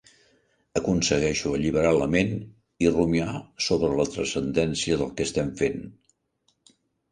Aconsegueixo alliberar la ment i rumiar sobre la transcendència del que estem fent.